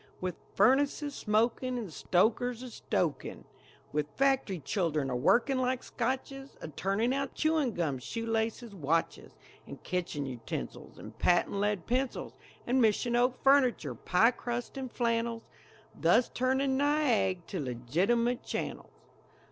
With, furnaces smokin', And stokers a stokin' With factory children a workin' like Scotches A turnin' out chewing gum, shoe laces, watches, And kitchen utensils, And patent lead pencils, And mission oak furniture, pie crust, and flannels Thus turnin' Niag' to legitimate channels.